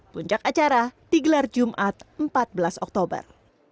puncak acara digelar jumat empat belas oktober